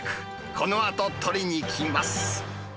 このあと取りに来ます。